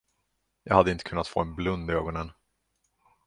Jag hade inte kunnat få en blund i ögonen.